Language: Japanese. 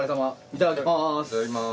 いただきます。